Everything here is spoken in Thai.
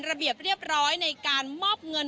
ระเบียบเรียบร้อยในการมอบเงิน